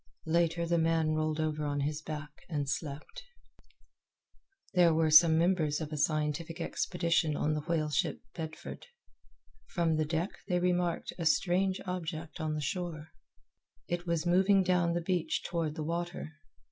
Later the man rolled over on his back and slept. There were some members of a scientific expedition on the whale ship Bedford. From the deck they remarked a strange object on the shore. It was moving down the beach toward the water.